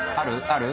ある？